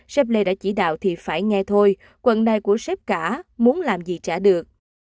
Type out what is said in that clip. sếp lê đã chỉ đạo thì phải nghe thôi quận đài của sếp cả muốn làm gì trả được